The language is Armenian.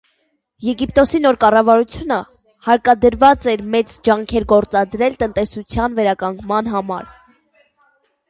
Եգիպտոսի նոր կառավարությունը հարկադրված էր մեծ ջանքեր գործադրել տնտեսության վերականգնման համար։